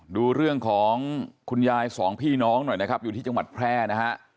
ดูเรื่องของคุณยายสองพี่น้องหน่อยนะครับอยู่ที่จังหวัดแพร่นะฮะ